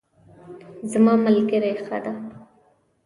زما ملګری ښه ده